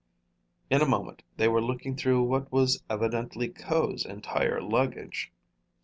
In a moment they were looking through what was evidently Ko's entire luggage.